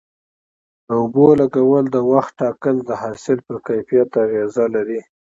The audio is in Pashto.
د اوبو لګولو د وخت ټاکل د حاصل پر کیفیت اغیزه لري.